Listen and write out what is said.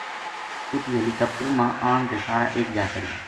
اُتو ہیلی کاپٹر ما آن کے سارا ایک جا کریا